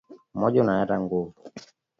Umoja unaleta nguvu